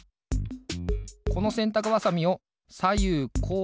このせんたくばさみをさゆうこう